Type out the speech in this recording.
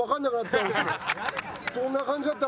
どんな感じだった？